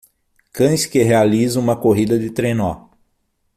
Cães que realizam uma corrida de trenó